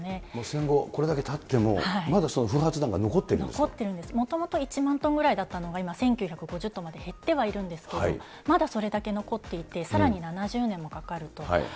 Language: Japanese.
戦後これだけたっても、もともと１万トンぐらいだったのが、今、１９５０トンって減ってはいるんですけど、まだそれだけ残っていて、さらに７０年もかかると。